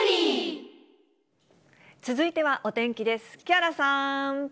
続いてはお天気です。